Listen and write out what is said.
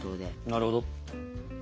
なるほど。